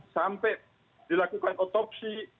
sampai dilakukan otopsi